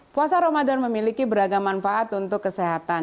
puasa ramadan memiliki beragam manfaat untuk kesehatan